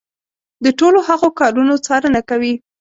د ټولو هغو کارونو څارنه کوي.